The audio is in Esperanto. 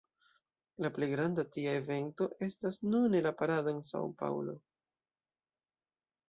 La plej granda tia evento estas nune la parado en San-Paŭlo.